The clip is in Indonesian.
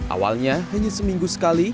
awalnya hanya seminggu sekali